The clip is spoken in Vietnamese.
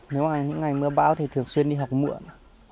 nếu mà những ngày mưa bão thì thường xuyên đi học muộn